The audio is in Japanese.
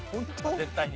絶対に。